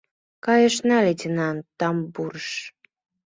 — Кайышна, лейтенант, тамбурыш.